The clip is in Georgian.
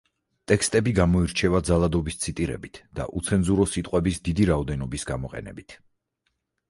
ტექსტები გამოირჩევა ძალადობის ციტირებით და უცენზურო სიტყვების დიდი რაოდენობის გამოყენებით.